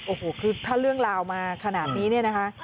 โอ้โหคือถ้าเรื่องราวมาขนาดนี้เนี่ยนะคะ